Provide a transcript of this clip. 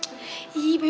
ini demi kebaikan klub loh